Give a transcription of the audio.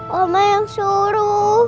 mama yang suruh